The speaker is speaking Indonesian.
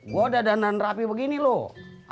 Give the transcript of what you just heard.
gue udah danaan rapi begini loh